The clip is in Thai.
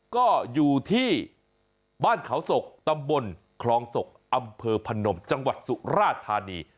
ก็อยู่ที่บ้านเขาศกตำบลคลองศกอำเภอพนมจังหวัดสุราธานี